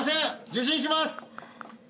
受信します。